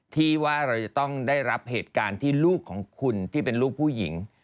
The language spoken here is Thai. ที่ว่าเราจะต้องได้รับเหตุการณ์ที่ลูกของคุณที่เป็นลูกผู้หญิง